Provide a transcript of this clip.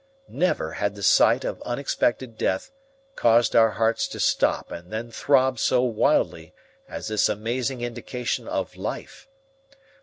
Never had the sight of unexpected death caused our hearts to stop and then throb so wildly as did this amazing indication of life.